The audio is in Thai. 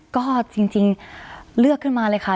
ก็จริงเลือกขึ้นมาเลยค่ะ